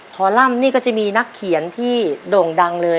คอลัมป์นี่ก็จะมีนักเขียนที่โด่งดังเลย